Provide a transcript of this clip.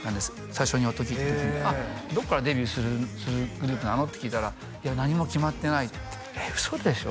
最初に音聴いた時に「どっからデビューするグループなの？」って聞いたら「何も決まってない」ってウソでしょ？